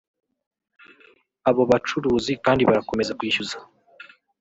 Abo bacuruzi kandi barakomeza kwishyuza